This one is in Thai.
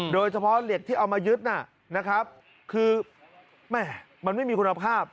โดยเฉพาะเหล็กที่เอามายึดนะคือมันไม่มีคุณภาพ